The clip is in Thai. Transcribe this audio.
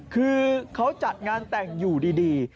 คือเขาจัดงานแต่งอยู่ดี